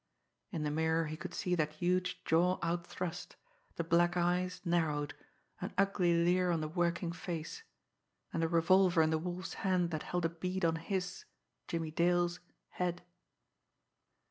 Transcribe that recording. In the mirror he could see that huge jaw outthrust, the black eyes narrowed, an ugly leer on the working face and a revolver in the Wolf's hand that held a bead on his, Jimmie Dale's, head.